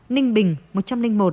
ninh bình một trăm linh một